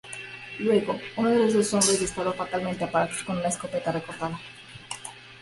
Luego, uno de los dos hombres disparó fatalmente a Parks con una escopeta recortada.